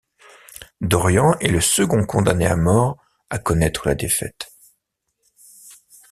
Dorian est le second condamné à mort à connaître la défaite.